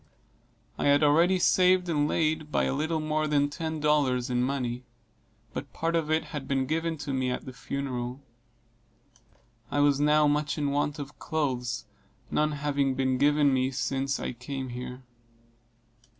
I had already saved and laid by a little more than ten dollars in money, but part of it had been given to me at the funeral. I was now much in want of clothes, none having been given me since I came here.